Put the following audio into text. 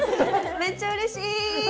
めっちゃうれしい！